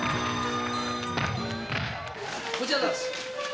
こちらです。